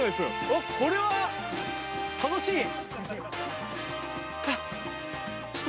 おっ、これは楽しい。